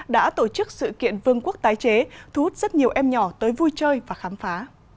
đã tổ chức sự kiện vương quốc tái chế thu hút rất nhiều em nhỏ tới vui chơi và khám phá